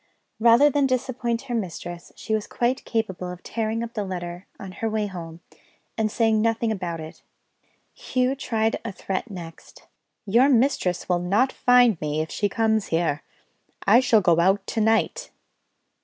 Rather than disappoint her mistress, she was quite capable of tearing up the letter, on her way home, and saying nothing about it. Hugh tried a threat next: "Your mistress will not find me, if she comes here; I shall go out to night."